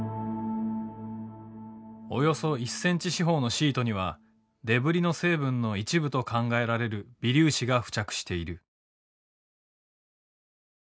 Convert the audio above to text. およそ１センチ四方のシートにはデブリの成分の一部と考えられる微粒子が付着している。